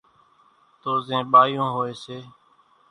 تو زين ٻايون ھوئي سي